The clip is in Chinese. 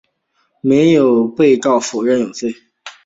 没有被告否认有罪。